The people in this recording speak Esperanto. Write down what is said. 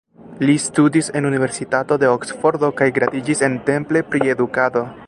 Li studis en Universitato de Oksfordo kaj gradiĝis en Temple pri edukado.